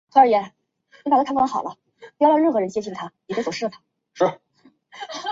俱乐部多数赛季在意大利甲级和乙级联赛之间徘徊。